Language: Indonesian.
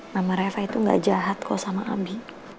mama reva itu gak jahat kok sama abi